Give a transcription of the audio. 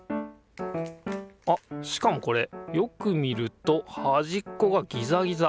あっしかもこれよく見るとはじっこがギザギザ。